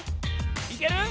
いける？